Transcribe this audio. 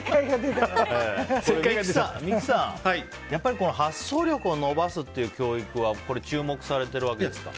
三木さん、やっぱり発想力を伸ばすという教育は注目されているわけですか。